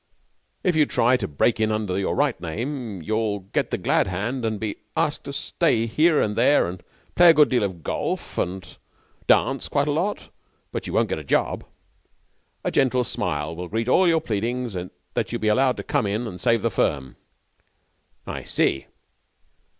If you try to break in under your right name you'll get the glad hand and be asked to stay here and there and play a good deal of golf and dance quite a lot, but you won't get a job. A gentle smile will greet all your pleadings that you be allowed to come in and save the firm.' 'I see.'